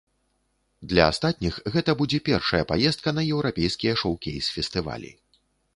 Для астатніх гэта будзе першая паездка на еўрапейскія шоўкейс-фестывалі.